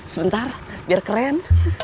sebentar biar keren